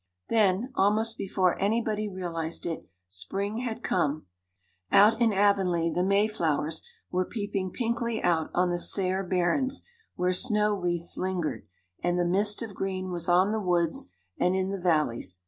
Then, almost before anybody realized it, spring had come; out in Avonlea the Mayflowers were peeping pinkly out on the sere barrens where snow wreaths lingered; and the "mist of green" was on the woods and in the valleys.